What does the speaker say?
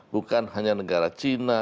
bukan hanya negara china